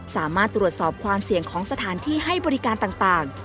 สามารถตรวจสอบความเสี่ยงของสถานที่ให้บริการต่าง